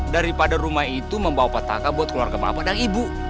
daripada rumah itu membawa petaka buat keluar ke bapak dan ibu